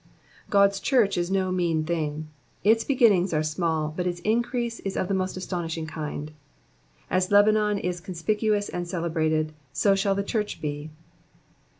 God's church is no mean thing ; its beginnings are small, but its increase is of the most astonishing kind. As Lebanon is conspicuous and celebrated, so shall the church be.